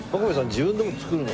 自分でも作るの？